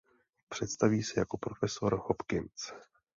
Představí se jako profesor Hopkins.